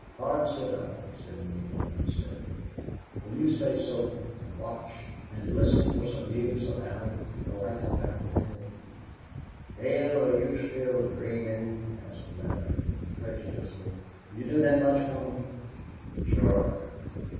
"Pard sit up," said Neale, unsteadily. "Will you stay sober and watch and listen for some news of Allie?... Till I come back to Benton?" "Neale, air you still dreamin'?" asked Larry, incredulously. "Will you do that much for me?" "Shore."